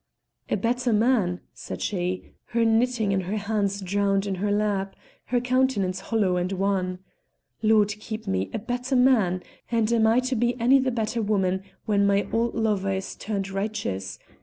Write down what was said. "A better man!" said she, her knitting and her hands drowned in her lap, her countenance hollow and wan. "Lord keep me, a better man! And am I to be any the better woman when my old lover is turned righteous?